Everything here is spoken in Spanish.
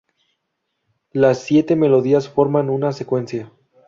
Las siete melodías forman una secuencia.